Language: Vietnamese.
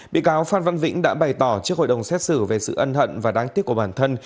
bị cáo phan văn vĩnh đã bày tỏ trước hội đồng xét xử về sự ân hận và đáng tiếc của bản thân